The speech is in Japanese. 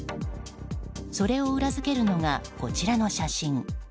それを裏付けるのがこちらの写真。